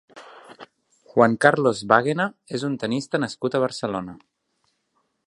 Juan Carlos Báguena és un tennista nascut a Barcelona.